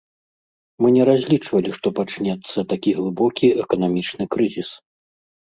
Мы не разлічвалі, што пачнецца такі глыбокі эканамічны крызіс.